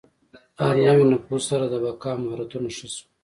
هر نوي نفوذ سره د بقا مهارتونه ښه شول.